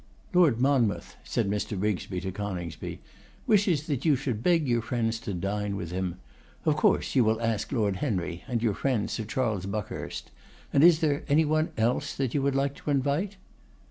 'Lord Monmouth,' said Mr. Rigby to Coningsby, 'wishes that you should beg your friends to dine with him. Of course you will ask Lord Henry and your friend Sir Charles Buckhurst; and is there any one else that you would like to invite?